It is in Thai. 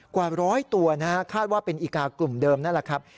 กว่าร้อยตัวนะฮะคาดว่าเป็นอีกากลุ่มเดิมนั่นแหละครับ